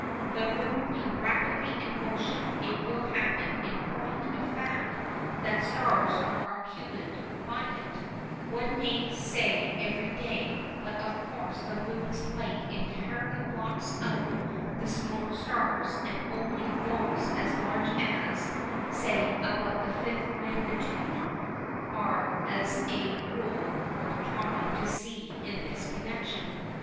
The Moon being rapidly in motion it will happen in point of fact that stars are occulted by it, one may say every day, but of course the Moon's light entirely blots out the smaller stars and only those as large as, say, about the 5th magnitude are as a rule worth trying to see in this connection.